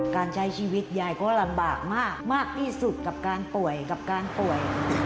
การใช้ชีวิตยายก็ลำบากมากที่สุดกับการป่วยกับการป่วย